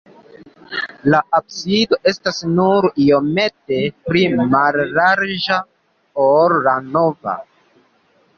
La absido estas nur iomete pli mallarĝa, ol la navo.